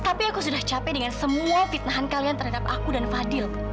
tapi aku sudah capek dengan semua fitnahan kalian terhadap aku dan fadil